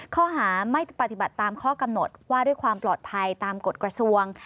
ข้อหาไม่ปฏิบัติตามข้อกำหนดว่าด้วยความปลอดภัยตามกฎกระทรวง